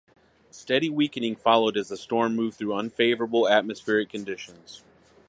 Steady weakening followed as the storm moved through unfavorable atmospheric conditions.